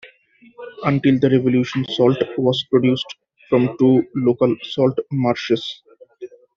Until the Revolution salt was produced from two local salt marshes.